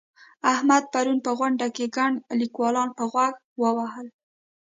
احمد پرون په غونډه کې ګڼ ليکوالان په غوږ ووهل.